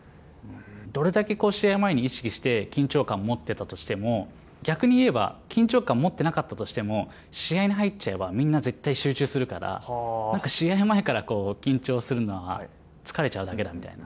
どれだけ試合前に意識して、緊張感を持ってたとしても、逆に言えば、緊張感持ってなかったとしても、試合に入っちゃえば、みんな絶対集中するから、なんか、試合前から緊張するのは疲れちゃうだけだみたいな。